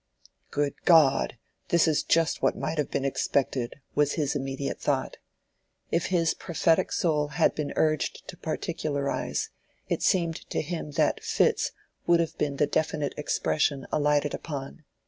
"Good God! this is just what might have been expected," was his immediate thought. If his prophetic soul had been urged to particularize, it seemed to him that "fits" would have been the definite expression alighted upon.